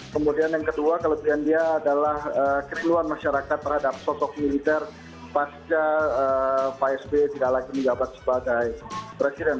kemudian yang kedua kelebihan dia adalah kekeluhan masyarakat terhadap sosok militer pasca psb tidak lagi mendapat sebagai presiden